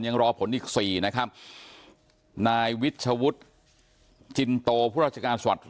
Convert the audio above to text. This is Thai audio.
ยังรอผลอีก๔นะครับนายวิชวุฒิจินโตผู้ราชการจังหวัด